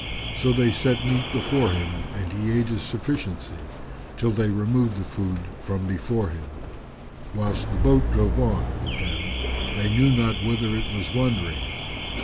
So they set meat before him and he ate his sufficiency, till they removed the food from before him, whilst the boat drove on with them they knew not whither it was wandering.